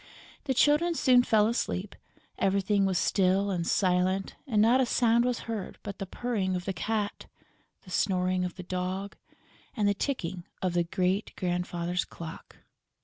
The Children soon fell asleep, everything was still and silent and not a sound was heard but the purring of the cat, the snoring of the dog and the ticking of the great grandfather's clock.